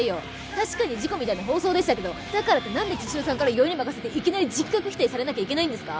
確かに事故みたいな放送でしたけどだからってなんで茅代さんから酔いに任せていきなり人格否定されなきゃいけないんですか？